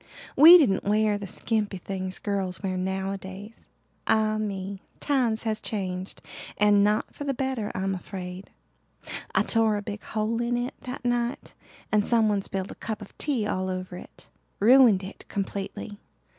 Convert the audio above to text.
We didn't wear the skimpy things girls wear nowadays. Ah me, times has changed and not for the better I'm afraid. I tore a big hole in it that night and someone spilled a cup of tea all over it. Ruined it completely.